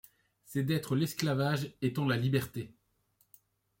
C'est d'être l'esclavage étant la liberté.